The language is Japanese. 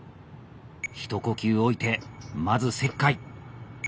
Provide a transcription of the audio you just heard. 一呼吸置いてまず切開。